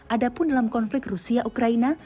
adapun dalam konflik rusia ukraina